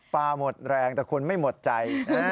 ปลาหมดแรงแต่คนไม่หมดใจ